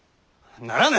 ならぬ！